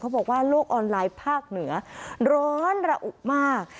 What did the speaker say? บอกว่าโลกออนไลน์ภาคเหนือร้อนระอุมาก